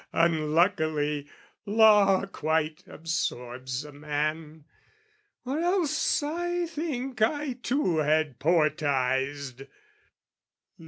Unluckily, law quite absorbs a man, Or else I think I too had poetised.